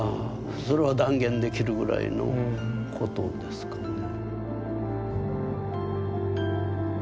それは断言できるぐらいのことですかね。